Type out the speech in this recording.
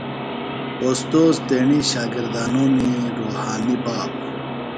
اوستوذ تیݨی شاگردانومی روحانی بابو۔